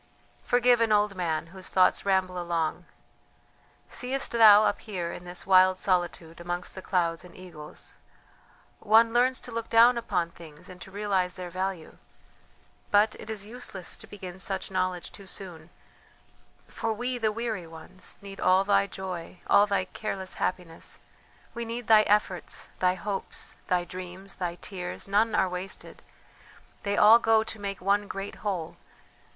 "Forgive an old man whose thoughts ramble along; seest thou, up here in this wild solitude amongst the clouds and eagles, one learns to look down upon things and to realize their value; but it is useless to begin such knowledge too soon, for we, the weary ones, need all thy joy, all thy careless happiness, we need thy efforts, thy hopes, thy dreams, thy tears; none are wasted; they all go to make one great whole!